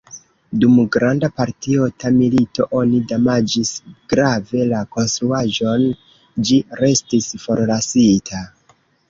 Dum Granda patriota milito oni damaĝis grave la konstruaĵon, ĝi restis forlasita.